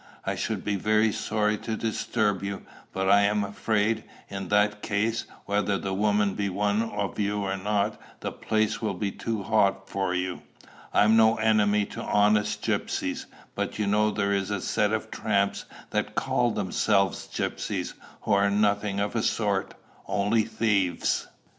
I should be very sorry to disturb you; but I am afraid, in that case, whether the woman be one of you or not, the place will be too hot for you. I'm no enemy to honest gypsies; but you know there is a set of tramps that call themselves gypsies, who are nothing of the sort, only thieves.